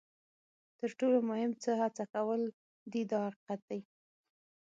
تر ټولو مهم څه هڅه کول دي دا حقیقت دی.